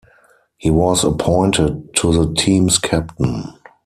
He was appointed the team's captain.